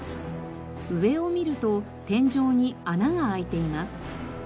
上を見ると天井に穴が開いています。